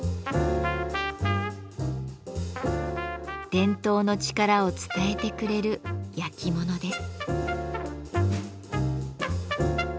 伝統の力を伝えてくれるやきものです。